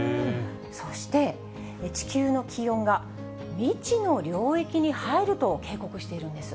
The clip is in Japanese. そして、地球の気温が未知の領域に入ると警告しているんです。